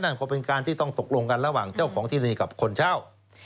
นั่นก็เป็นการที่ต้องตกลงกันระหว่างเจ้าของที่นี่กับคนเช่า